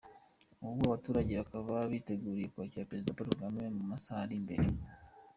Ubu abaturage bakaba biteguriye kwakira Perezida Paul Kagame mu masaha ari imbere.